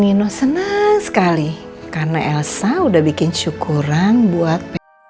nino senang sekali karena elsa udah bikin syukuran buat